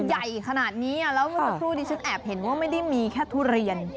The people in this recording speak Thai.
ใหญ่ขนาดนี้แล้วคุณผู้ดิฉันแอบเห็นว่าไม่ได้มีแค่ทุเรียน